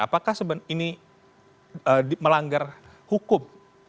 apakah ini melanggar hukum